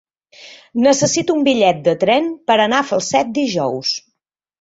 Necessito un bitllet de tren per anar a Falset dijous.